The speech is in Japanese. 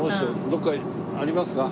どこかありますか？